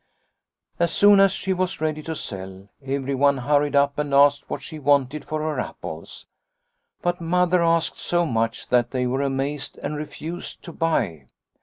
" As soon as she was ready to sell, everyone hurried up and asked what she wanted for her apples. But Mother asked so much that they were amazed and refused to buy.